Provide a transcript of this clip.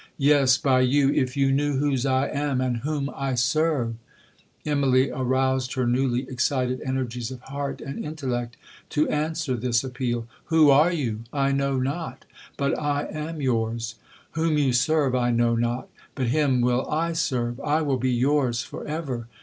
'Yes, by you, if you knew whose I am, and whom I serve.' Immalee aroused her newly excited energies of heart and intellect to answer this appeal. 'Who you are, I know not—but I am yours.—Whom you serve, I know not—but him will I serve—I will be yours for ever.